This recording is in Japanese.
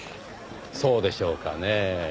そうでしょうかねぇ。